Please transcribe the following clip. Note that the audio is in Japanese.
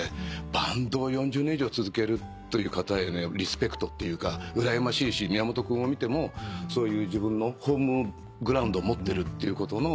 バンドを４０年以上続けるという方へのリスペクトっていうかうらやましいし宮本君を見てもそういう自分のホームグラウンドを持ってるっていうことの。